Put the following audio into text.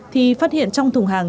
thì phát hiện trong thùng hàng